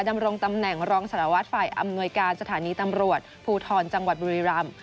ดำรงตำแหน่งรองสารวัตรฝ่ายอำนวยการสถานีตำรวจภูทรจังหวัดบุรีรำ